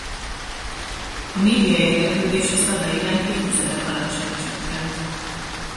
A média érdeklődése Szada iránt évtizedek alatt sem csökkent.